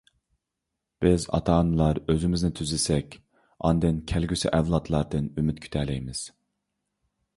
بىز ئاتا-ئانىلار ئۆزىمىزنى تۈزىسەك، ئاندىن كەلگۈسى ئەۋلادلاردىن ئۈمىد كۈتەلەيمىز.